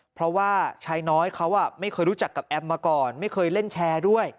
เพราะว่าชายน้อยเขาไม่เคยรู้จักกับแอมมาก่อนไม่เคยเล่นแชร์ด้วย